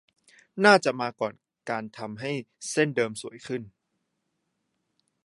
น่าจะมาก่อนการทำให้เส้นเดิมสวยขึ้น